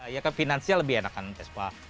ya kan finansial lebih enak kan vespa